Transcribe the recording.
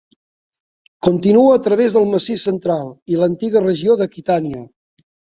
Continua a través del Massís Central i l'antiga regió d'Aquitània.